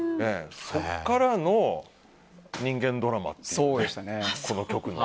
そこからの人間ドラマですよね。